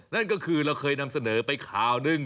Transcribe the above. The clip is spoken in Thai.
นั่นก็คือเราเคยนำเสนอไปข่าวหนึ่ง